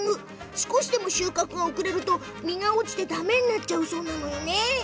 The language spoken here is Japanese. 少しでも収穫が遅れると実が落ちてだめになっちゃうそうなの。